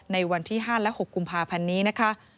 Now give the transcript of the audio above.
ในวันที่๕และ๖กุมภาพันธ์นี้นะคะ